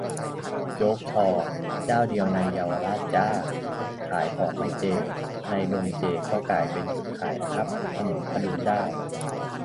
'โจ๊ก 'ชอ' เจ้าเดียวในเยาวราชจ้า' ขายของไม่เจ ในดงเจ ก็กลายเป็นจุดขายนะครับ ถนนผดุงด้าว